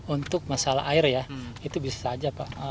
untuk masalah air ya itu bisa saja pak